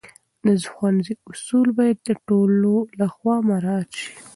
د ښوونځي اصول باید د ټولو لخوا مراعت سي.